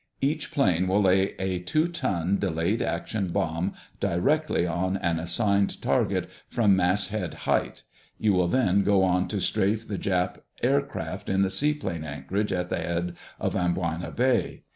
Each plane will lay a two ton, delayed action bomb directly on an assigned target, from mast head height. You will then go on to strafe the Jap aircraft in the seaplane anchorage at the head of Amboina Bay.